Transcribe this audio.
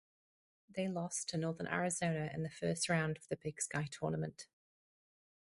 They lost to Northern Arizona in the first round of the Big Sky Tournament.